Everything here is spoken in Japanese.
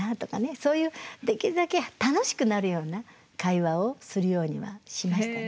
そういうできるだけ楽しくなるような会話をするようにはしましたね。